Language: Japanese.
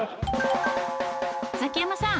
ザキヤマさん